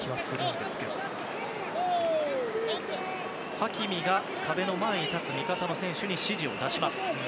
ハキミが壁の前に立つ味方に指示を出しました。